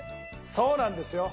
そうなんですよ。